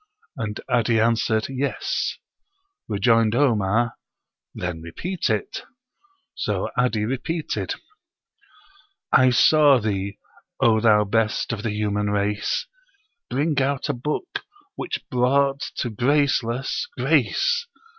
And 'Adi answered, "Yes." Rejoined Omar, "Then repeat it;" so 'Adi repeated: "I saw thee, O thou best of the human race, Bring out a book which brought to graceless, grace.